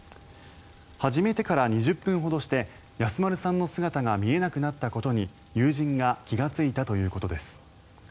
始めてから２０分ほどして安丸さんの姿が見えなくなったことに友人が気がついたということです。